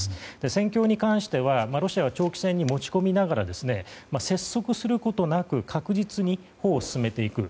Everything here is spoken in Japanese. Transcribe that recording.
戦況に関してはロシアは長期戦に持ち込みながら拙速することなく確実に歩を進めていく。